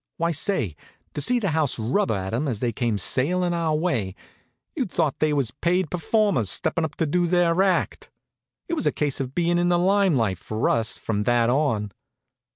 Why say, to see the house rubber at 'em as they came sailin' our way, you'd thought they was paid performers stepping up to do their act. It was a case of bein' in the lime light for us, from that on.